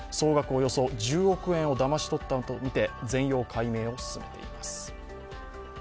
およそ１０億円をだまし取ったとみて全容解明を進めています。